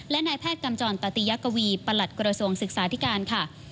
และนายแพทย์กำจรตติยกวีประหลัดกระทรวงศึกษาธิการค่ะ